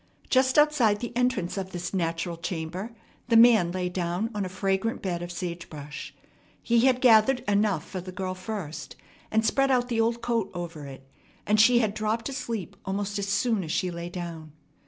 Just outside the entrance of this natural chamber the man lay down on a fragrant bed of sage brush. He had gathered enough for the girl first, and spread out the old coat over it; and she had dropped asleep almost as soon as she lay down.